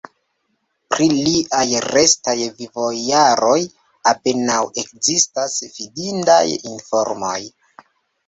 Pri liaj restaj vivojaroj apenaŭ ekzistas fidindaj informoj.